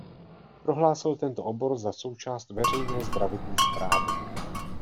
Prohlásil tento obor za součást veřejné zdravotní správy.